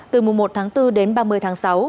từ mùa một tháng bốn đến ba mươi tháng sáu